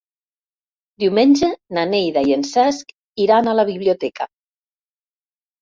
Diumenge na Neida i en Cesc iran a la biblioteca.